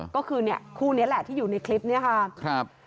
ก็คือคู่นี้แหละที่อยู่ในคลิปนี้ค่ะ